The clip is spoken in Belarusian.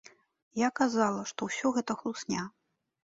Я казала, што ўсё гэта хлусня.